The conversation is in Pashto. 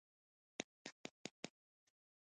دا کارونه پخپله له طالبانیزېشن سره مرسته کوي.